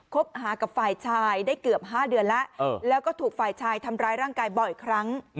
คบหากับฝ่ายชายได้เกือบ๕เดือนแล้วแล้วก็ถูกฝ่ายชายทำร้ายร่างกายบ่อยครั้ง